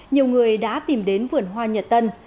nhiều người đã tìm đến vườn hoa nhật tân